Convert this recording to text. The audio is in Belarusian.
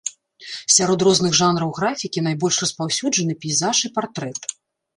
Сярод розных жанраў графікі найбольш распаўсюджаны пейзаж і партрэт.